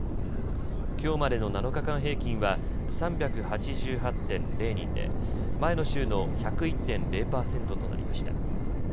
きょうまでの７日間平均は３８８．０人で前の週の１０１．０％となりました。